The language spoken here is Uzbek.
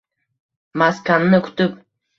Maskanni kutib.